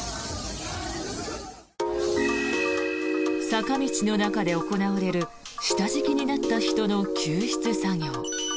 坂道の中で行われる下敷きになった人の救出作業。